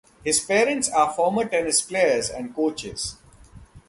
His parents are former tennis players and coaches.